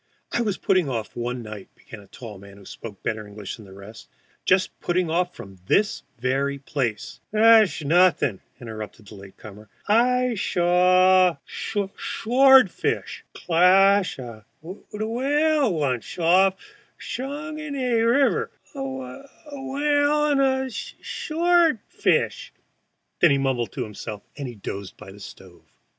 "I was just putting off one night," began a tall man, who spoke better English than the rest, "just putting off from this very place " "Thash nothing," interrupted the later comer, "I shaw sh sword fish clashe a wh whale once off Saguenay River, an wh whale an sh sword fish " then he mumbled to himself and dozed by the stove.